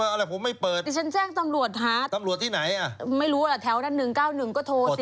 เอาล่ะผมไม่เปิดตำรวจที่ไหนอ่ะไม่รู้อ่ะแถวนั้น๑๙๑ก็โทรสิ